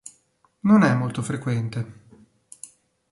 Non è molto frequente.